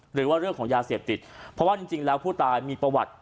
หรือว่าเรื่องของยาเสพติดเพราะว่าจริงแล้วผู้ตายมีประวัติ